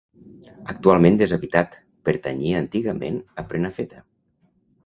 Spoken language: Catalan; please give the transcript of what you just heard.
Actualment deshabitat, pertanyia antigament a Prenafeta.